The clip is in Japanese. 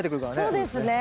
そうですね。